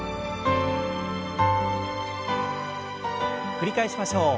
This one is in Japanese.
繰り返しましょう。